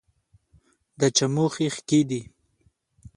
دا چموښي ښکي دي